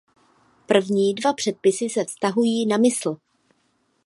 První dva předpisy se vztahují na mysl.